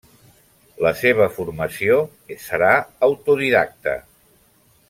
La seva formació serà autodidacta.